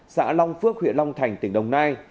xã long phước huyện long thành tỉnh đồng nai